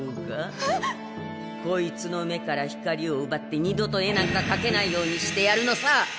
えっ！？こいつの目から光をうばって二度と絵なんか描けないようにしてやるのさ！